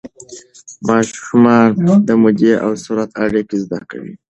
ماشومان د مودې او سرعت اړیکه زده کوي.